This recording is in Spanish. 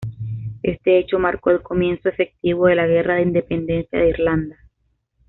Este hecho marcó el comienzo efectivo de la Guerra de Independencia de Irlanda.